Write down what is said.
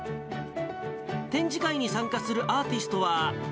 展示会に参加するアーティストは。